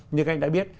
như anh đã biết